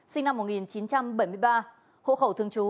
sinh năm một nghìn chín trăm bảy mươi ba hộ khẩu thường trú